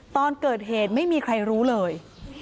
ตอนเกิดเหตุไม่มีใครรู้เลย